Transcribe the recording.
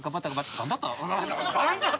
頑張ったよ！